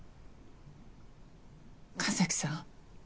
神崎さん